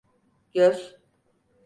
Göz.